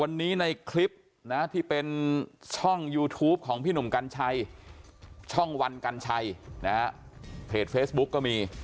วันนี้ในคลิปนะที่เป็นช่องยูทูปของพี่หนุ่มกัญชัยช่องวันกัญชัยนะฮะเพจเฟซบุ๊กก็มี